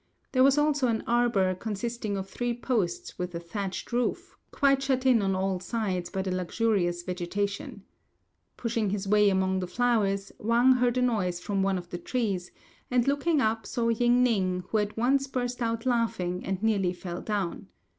There was also an arbour consisting of three posts with a thatched roof, quite shut in on all sides by the luxurious vegetation. Pushing his way among the flowers, Wang heard a noise from one of the trees, and looking up saw Ying ning, who at once burst out laughing and nearly fell down.